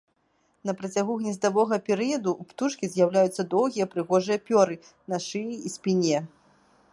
На працягу гнездавога перыяду ў птушкі з'яўляюцца доўгія прыгожыя пёры на шыі і спіне.